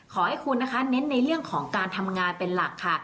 ขอให้คุณนะคะเน้นในเรื่องของการทำงานเป็นหลักค่ะ